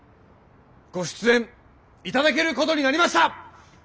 ご出演いただけることになりました！